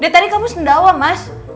dari tadi kamu sendawa mas